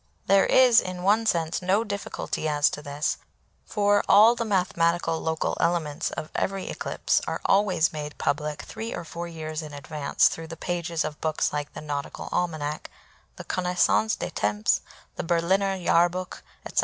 There is in one sense no difficulty as to this, for all the mathematical local elements of every eclipse are always made public three or four years in advance through the pages of books like the Nautical Almanac, the Connaissance des Temps, the Berliner Jahrbuch, &c.